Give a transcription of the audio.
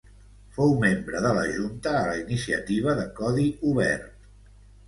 Fou membre de la junta a la Iniciativa de Codi obert.